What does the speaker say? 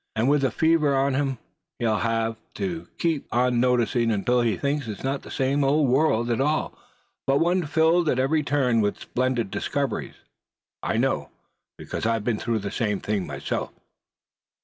And with the fever on him, he'll have to keep on noticing, until he'll think it's not the same old world at all but one filled at every turn with splendid discoveries. I know, because I've been through the same thing myself."